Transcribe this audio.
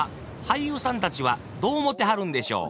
俳優さんたちはどう思てはるんでしょう？